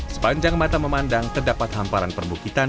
sepanjang mata memandang terdapat hamparan perbukitan